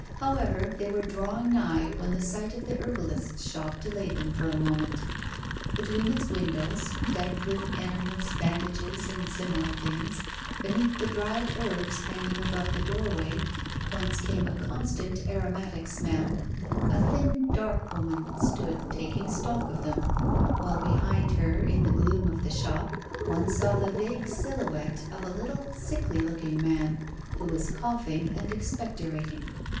However, they were drawing nigh, when the sight of the herbalist's shop delayed them for a moment. Between its windows, decked with enemas, bandages, and similar things, beneath the dried herbs hanging above the doorway, whence came a constant aromatic smell, a thin, dark woman stood taking stock of them, while, behind her, in the gloom of the shop, one saw the vague silhouette of a little sickly looking man, who was coughing and expectorating.